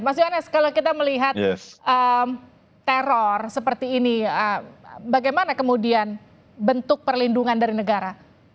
mas yohanes kalau kita melihat teror seperti ini bagaimana kemudian bentuk perlindungan dari negara